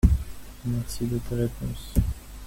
Merci de tes réponses.